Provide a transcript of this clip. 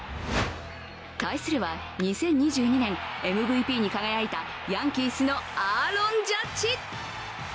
対するは２０２２年、ＭＶＰに輝いたヤンキースのアーロン・ジャッジ。